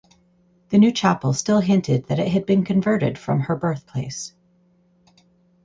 The new chapel still hinted that it had been converted from her birthplace.